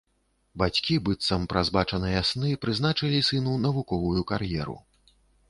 Бацькі, быццам праз бачаныя сны, прызначылі сыну навуковую кар'еру.